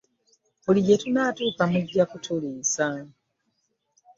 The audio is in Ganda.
Buli gye tunaatuuka mujja kutuliisa.